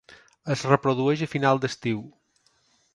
Es reprodueix a final d'estiu.